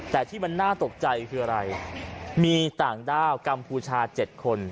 แต่ที่มันน่าตกใจคืออะไรมีต่างด้าวกัมพูชา๗คน